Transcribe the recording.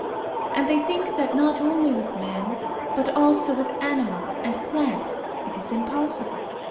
And they think that not only with man, but also with animals and plants, it is impossible.